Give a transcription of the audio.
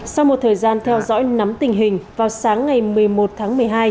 sau một thời gian theo dõi nắm tình hình vào sáng ngày một mươi một tháng một mươi hai